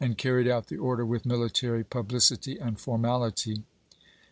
carried out the order with military publicity and formality.